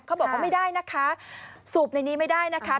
บอกว่าไม่ได้นะคะสูบในนี้ไม่ได้นะคะ